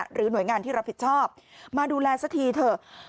หรือหน่วยงานที่รับผิดชอบมาดูแลสักทีเถอะ